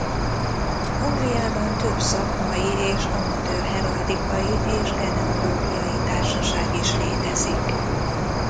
Angliában több szakmai és amatőr heraldikai és genealógiai társaság is létezik.